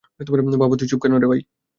বাবা, তুই চুপ কেন?